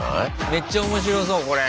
めっちゃ面白そうこれ。